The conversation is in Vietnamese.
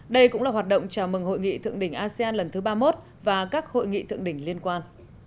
đây cũng là hoạt động chào mừng hội nghị thượng đỉnh asean lần thứ ba mươi một và các hội nghị thượng đỉnh liên quan